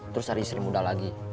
terus ada istri muda lagi